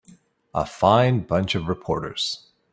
A fine bunch of reporters.